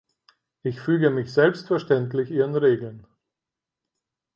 Ich füge mich selbstverständlich Ihren Regeln.